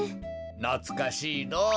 なつかしいのぉ。